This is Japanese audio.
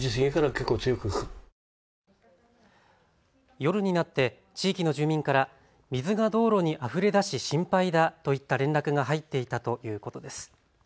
夜になって地域の住民から水が道路にあふれ出し心配だといった連絡が入っていたということです。